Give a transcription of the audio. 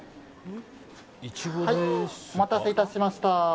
お待たせいたしました。